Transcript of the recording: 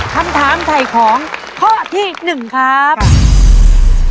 คำถามไถ่ของข้อที่๑ครับ